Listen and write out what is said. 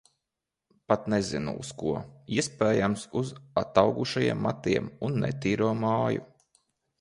Pat nezinu, uz ko. Iespējams, uz ataugušajiem matiem un netīro māju.